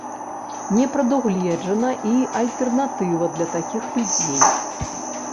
Не прадугледжана і альтэрнатыва для такіх людзей.